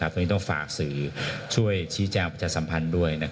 ตอนนี้ต้องฝากสื่อช่วยชี้แจงประชาสัมพันธ์ด้วย